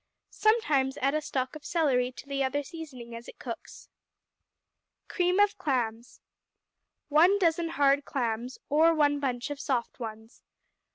Sometimes add a stalk of celery to the other seasoning as it cooks. Cream of Clams 1 dozen hard clams, or one bunch of soft ones.